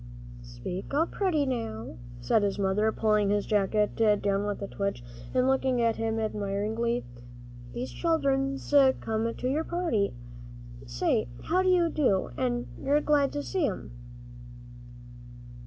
"Speak up pretty, now," said his mother, pulling his jacket down with a twitch, and looking at him admiringly; "these children's come to your party. Say how do you do, an' you're glad to see 'em."